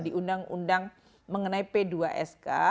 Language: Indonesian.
di undang undang mengenai p dua sk